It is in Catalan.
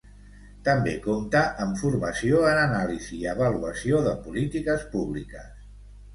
També compta amb formació en Anàlisi i Avaluació de Polítiques Públiques.